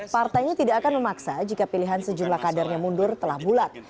partainya tidak akan memaksa jika pilihan sejumlah kadernya mundur telah bulat